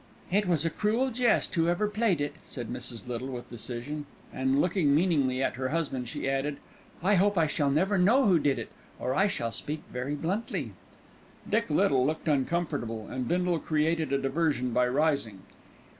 "It was a cruel jest, whoever played it," said Mrs. Little with decision; and looking meaningly at her husband she added, "I hope I shall never know who did it, or I should speak very bluntly." Dick Little looked uncomfortable, and Bindle created a diversion by rising.